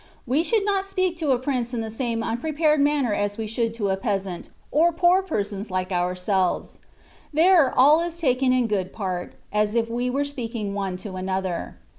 We should not speak to a prince in the same unpre pared manner as we should to a peasant^ or poor persoDs like ourselves; there all is taken in good part^ as if we were speaking one to another.